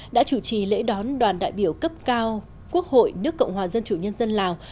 đã chủ trì lễ đón đoàn đại biểu cấp cao quốc hội nước cộng hòa dân chủ nhân dân lào